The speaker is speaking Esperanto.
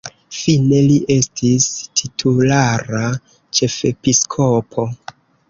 Fine li estis titulara ĉefepiskopo.